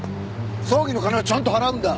葬儀の金はちゃんと払うんだ。